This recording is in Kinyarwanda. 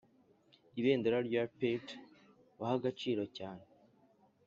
ibendera rya pewter baha agaciro cyane